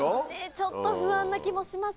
ちょっと不安な気もしますが。